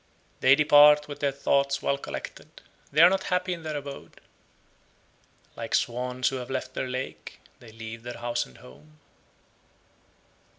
91. They depart with their thoughts well collected, they are not happy in their abode; like swans who have left their lake, they leave their house and home.